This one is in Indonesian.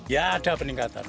ya ada peningkatan